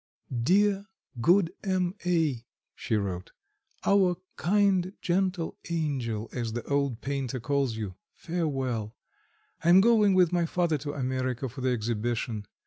"Dear, good M. A." (she wrote), "our kind, gentle 'angel' as the old painter calls you, farewell; I am going with my father to America for the exhibition.